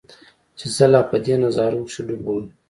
چې زۀ لا پۀ دې نظارو کښې ډوب ووم